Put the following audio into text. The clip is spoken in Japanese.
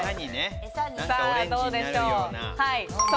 どうでしょう？